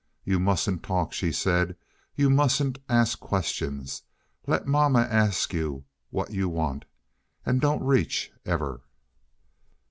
"You mustn't talk," she said. "You mustn't ask questions. Let mamma ask you what you want. And don't reach, ever."